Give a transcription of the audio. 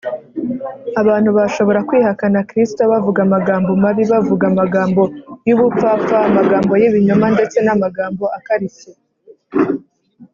abantu bashobora kwihakana kristo bavuga amagambo mabi, bavuga amagambo y’ubupfapfa, amagambo y’ibinyoma ndetse n’amagambo akarishye